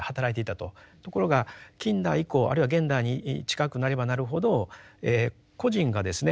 ところが近代以降あるいは現代に近くなればなるほど個人がですね